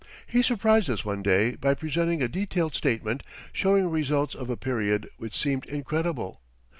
He surprised us one day by presenting a detailed statement showing results for a period, which seemed incredible.